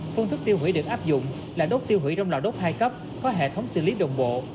phương thức tiêu hủy được áp dụng là đốt tiêu hủy trong lò đốt hai cấp có hệ thống xử lý đồng bộ